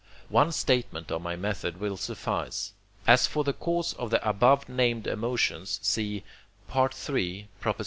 One statement of my method will suffice. As for the cause of the above named emotions see III.